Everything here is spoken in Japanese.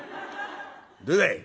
どうだい？